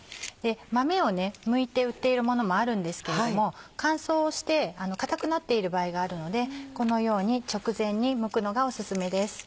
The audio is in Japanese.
豆をむいて売っているものもあるんですけれども乾燥して硬くなっている場合があるのでこのように直前にむくのがおすすめです。